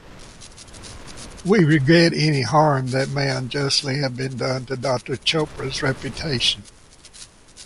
We regret any harm that may unjustly have been done to Doctor Chopra's reputation.